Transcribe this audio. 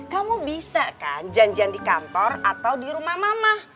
kamu bisa kan janjian di kantor atau di rumah mama